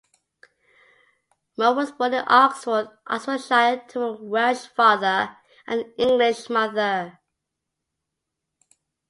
Mower was born in Oxford, Oxfordshire to a Welsh father and English mother.